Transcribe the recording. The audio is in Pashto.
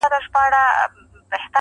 زړه مي را خوري.